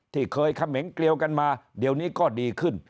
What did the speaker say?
ที่เคยเขมงเกลียวกันมาเดี๋ยวนี้ก็ดีขึ้น